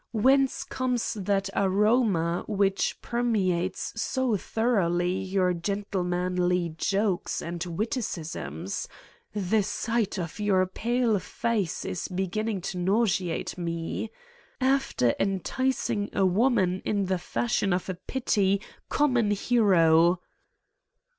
Whence comes that aroma which permeates so thoroughly your gentlemanly jokes 245 Satan's Diary and witticisms. The sight of your pale face is beginning to nauseate me. After enticing a woman in the fashion of a petty, common hero.